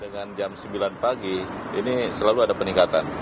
dengan jam sembilan pagi ini selalu ada peningkatan